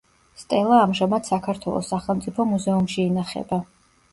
სტელა ამჟამად საქართველოს სახელმწიფო მუზეუმში ინახება.